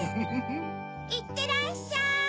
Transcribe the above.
いってらっしゃい！